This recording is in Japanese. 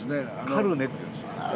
カルネっていうんです。